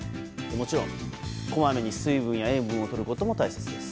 もちろんこまめに水分や塩分をとることも大切です。